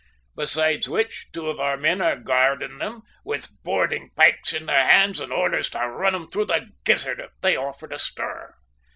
Besides which, two of our men are guarding there, with boarding pikes in their hands and orders to run 'em through the gizzard if they offer to stir."